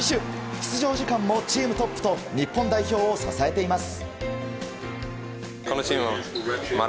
出場時間もチームトップと日本代表を支えています。